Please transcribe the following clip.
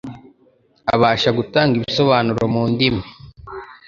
abasha gutanga ibisobanuro mu ndimi